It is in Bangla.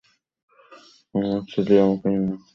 আমার ছেলে আমাকে ঘৃণা করে না!